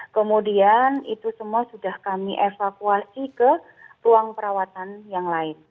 kemudian itu semua sudah kami evakuasi ke ruang perawatan yang lain